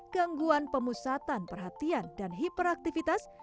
gangguan pemusatan perhatian dan hiperaktifitas